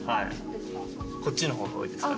こっちのほうが多いですかね。